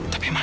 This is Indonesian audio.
tapi masa sih